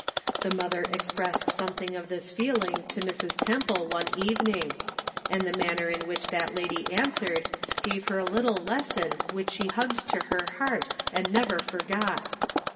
The mother expressed something of this feeling to Mrs. Temple one evening, and the manner in which that lady answered gave her a little lesson which she hugged to her heart and never forgot.